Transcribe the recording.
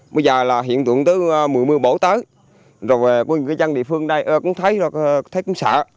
bây giờ là hiện tượng tới mùa mưa bổ tới rồi mọi người dân địa phương đây cũng thấy thấy cũng sợ